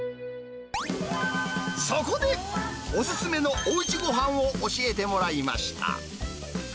そこで、お勧めのおうちごはんを教えてもらいました。